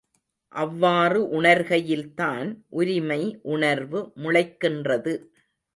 அவ்வாறு உணர்கையில்தான் உரிமை உணர்வு முளைக்கின்றது.